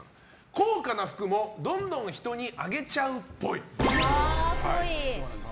高価な服もどんどん人にあげちゃうっぽい。